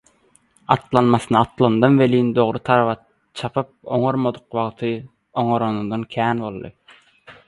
Atlanmasyna atlandam welin dogry taraba çapyp oňarmadyk wagty oňaranyndan kän boldy.